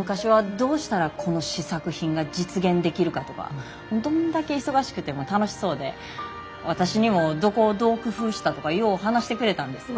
昔はどうしたらこの試作品が実現できるかとかどんだけ忙しくても楽しそうで私にもどこをどう工夫したとかよう話してくれたんです。